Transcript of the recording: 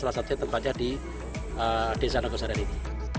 salah satunya tempatnya di desa nogo saren ini